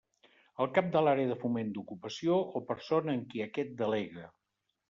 El cap de l'Àrea de Foment d'Ocupació o persona en qui aquest delegue.